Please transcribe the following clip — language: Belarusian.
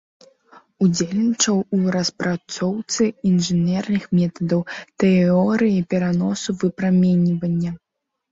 Удзельнічаў у распрацоўцы інжынерных метадаў тэорыі пераносу выпраменьвання.